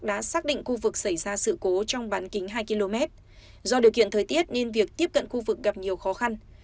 đã xác định khu vực xảy ra sự cố trong bán kính hai km do điều kiện thời tiết nên việc tiếp cận khu vực gặp nhiều khó khăn